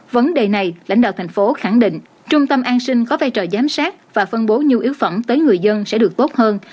vấn đề này lãnh đạo thành phố khẳng định trung tâm an sinh có vai trò giám sát và phân bố nhu yếu phẩm tới người dân sẽ được tốt hơn